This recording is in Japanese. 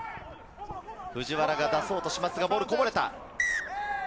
藤原が出そうとしますがボールがこぼれた。